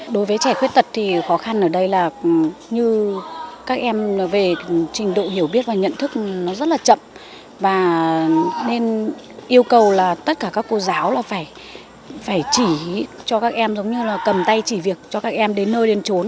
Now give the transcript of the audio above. đối với trẻ khuyết tật thì khó khăn ở đây là như các em về trình độ hiểu biết và nhận thức nó rất là chậm và nên yêu cầu là tất cả các cô giáo là phải chỉ cho các em giống như là cầm tay chỉ việc cho các em đến nơi liên trốn